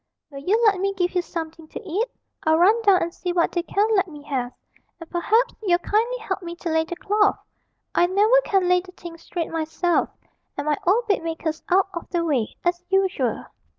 'Will you let me give you something to eat? I'll run down and see what they can let me have; and perhaps you'll kindly help me to lay the cloth; I never can lay the thing straight myself, and my old bedmaker's out of the way, as usual.'